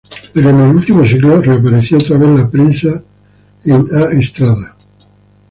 Pero en el último siglo reapareció otra vez la prensa en A Estrada.